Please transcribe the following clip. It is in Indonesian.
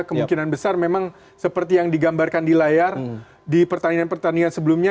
kemungkinan besar memang seperti yang digambarkan di layar di pertandingan pertandingan sebelumnya